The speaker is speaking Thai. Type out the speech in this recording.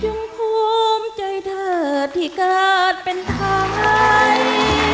จงพรุมใจเธอที่กาสเป็นใข